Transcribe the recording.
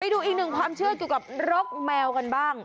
ดูอีกหนึ่งความเชื่อเกี่ยวกับรกแมวกันบ้าง